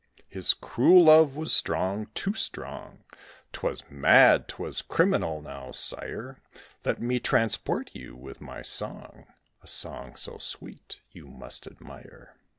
"His cruel love was strong: too strong! 'Twas mad 'twas criminal: now, sire, Let me transport you with my song; A song so sweet you must admire."